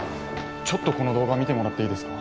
ちょっとこの動画見てもらっていいですか？